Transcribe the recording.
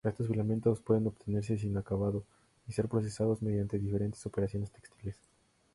Estos filamentos pueden obtenerse sin acabado y ser procesados mediante diferentes operaciones textiles.